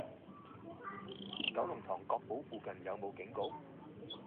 九龍塘珏堡附近有無警局？